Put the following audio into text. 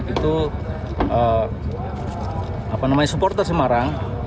itu apa namanya supporter semarang